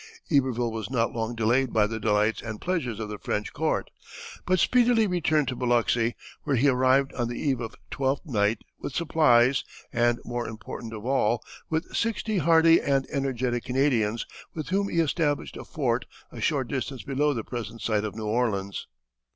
Iberville was not long delayed by the delights and pleasures of the French court, but speedily returned to Biloxi, where he arrived on the eve of Twelfth Night with supplies, and more important of all, with sixty hardy and energetic Canadians, with whom he established a fort a short distance below the present site of New Orleans.